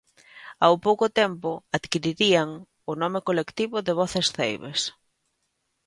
Ao pouco tempo adquirirían o nome colectivo de Voces Ceibes.